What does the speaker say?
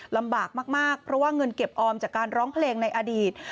ลำบากมากเพราะว่าเงินเก็บออมจากการร้องเพลงในอดีต